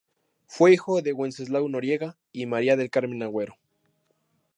Fue hijo de Wenceslao Noriega y María del Carmen Agüero.